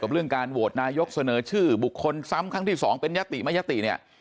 เรื่องการโหวตนายกเสนอชื่อบุคคลซ้ำครั้งที่สองเป็นยติไม่ยติเนี่ย